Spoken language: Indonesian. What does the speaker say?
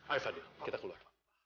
ayo fadlil kita keluar